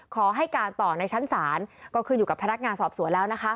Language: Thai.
ขอให้การต่อในชั้นศาลก็ขึ้นอยู่กับพนักงานสอบสวนแล้วนะคะ